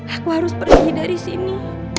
aku harus pergi dari sini